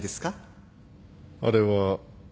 あれは。